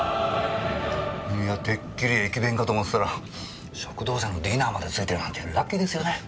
いやてっきり駅弁かと思ってたら食堂車のディナーまでついてるなんてラッキーですよね。